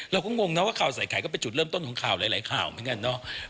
งงนะว่าข่าวใส่ไข่ก็เป็นจุดเริ่มต้นของข่าวหลายข่าวเหมือนกันเนาะ